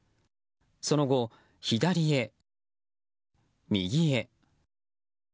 その後、左へ右へ。